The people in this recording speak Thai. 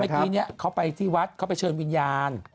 เพราะเมื่อกี้เขาไปที่วัดเขาไปเชิญวิญญาณ